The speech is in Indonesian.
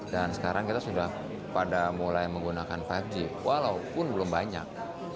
dan sekarang kita sudah pada mulai menggunakan lima g walaupun belum banyak